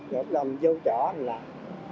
rồi mình vô chỗ mình làm